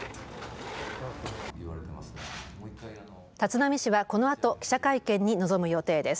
立浪氏は、このあと記者会見に臨む予定です。